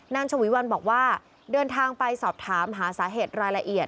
ฉวีวันบอกว่าเดินทางไปสอบถามหาสาเหตุรายละเอียด